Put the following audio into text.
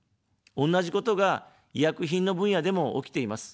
同じことが、医薬品の分野でも起きています。